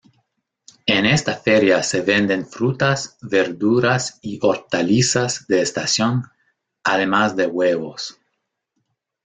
En esta feria se venden frutas, verduras y hortalizas de estación, además de huevos.